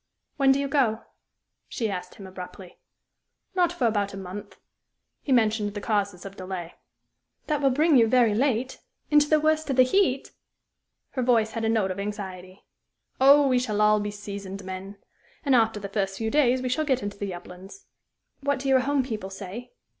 "When do you go?" she asked him, abruptly. "Not for about a month." He mentioned the causes of delay. "That will bring you very late into the worst of the heat?" Her voice had a note of anxiety. "Oh, we shall all be seasoned men. And after the first few days we shall get into the uplands." "What do your home people say?"